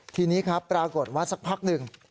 ทีนี้ปรากฏว่าสักพักนึง